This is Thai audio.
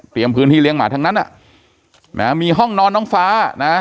พื้นที่เลี้ยหมาทั้งนั้นอ่ะนะมีห้องนอนน้องฟ้านะ